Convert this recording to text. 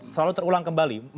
selalu terulang kembali